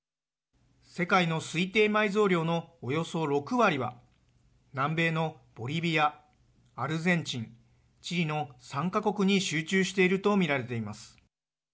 世界の推定埋蔵量のおよそ６割は南米のボリビア、アルゼンチンチリの３か国に集中していると見られています。